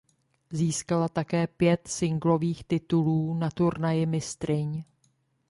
Získala také pět singlových titulů na Turnaji mistryň.